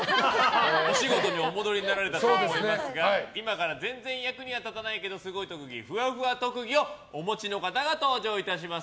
お仕事にお戻りになられたと思いますが今から、全然役には立たないけどすごい特技ふわふわ特技をお持ちの方が登場いたします。